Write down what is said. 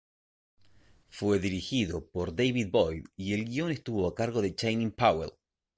Fue dirigido por David Boyd y el guion estuvo a cargo de Channing Powell.